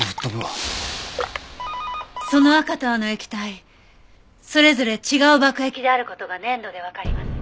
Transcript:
その赤と青の液体それぞれ違う爆液である事が粘度でわかります。